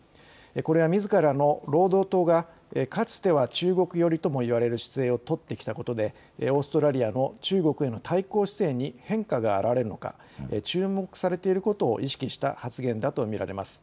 これはみずからの労働党がかつては中国寄りとも言われる姿勢を取ってきたことでオーストラリアの中国への対抗姿勢に変化が表れるのか注目されていることを意識した発言だと見られます。